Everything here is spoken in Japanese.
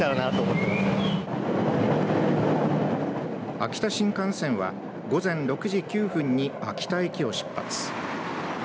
秋田新幹線は午前６時９分に秋田駅を出発。